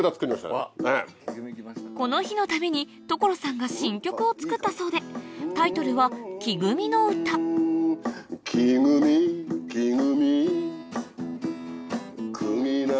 この日のために所さんが新曲を作ったそうでタイトルはっていう歌ですよ。